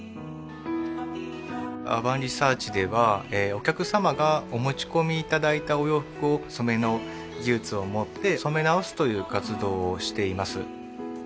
ＵＲＢＡＮＲＥＳＥＡＲＣＨではお客様がお持ち込みいただいたお洋服を染めの技術をもって染め直すという活動をしています